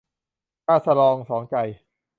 กาสะลองสองใจ